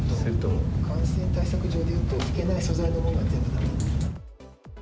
感染対策上でいうと、拭けない素材のものは全部だめです。